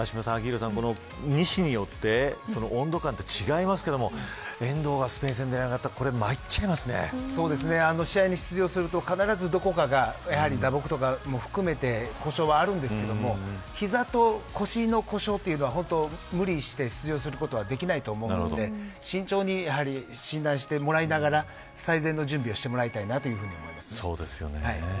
２紙によって温度感が違いますけど遠藤がスペイン戦に出られなかったら試合に出場すると、必ずどこか打撲とか、どこかを含めて故障はあるんですけど膝と腰の故障というのは本当無理して出場することができないと思うので慎重に信頼してもらいながら最善の準備をしてもらいたいなと思います。